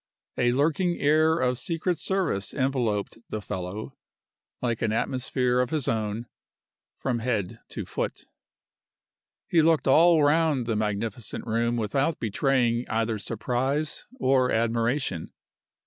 A lurking air of secret service enveloped the fellow, like an atmosphere of his own, from head to foot. He looked all round the magnificent room without betraying either surprise or admiration.